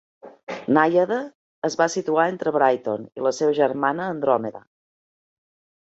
"Nàiada" es va situar entre "Brighton" i la seva germana "Andròmeda".